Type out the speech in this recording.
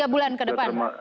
tiga bulan ke depan